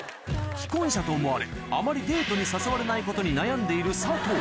既婚者と思われあまりデートに誘われないことに悩んでいる佐藤